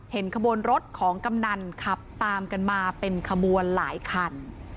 ขบวนรถของกำนันขับตามกันมาเป็นขบวนหลายคัน